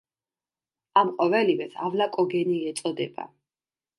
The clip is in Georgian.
ამ ყოველივეს ავლაკოგენი ეწოდება.